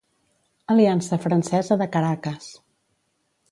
Aliança Francesa de Caracas.